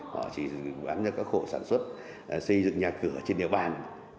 họ chỉ bán cho các hộ sản xuất xây dựng nhà cửa trên địa bàn